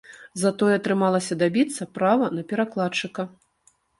Затое атрымалася дабіцца права на перакладчыка.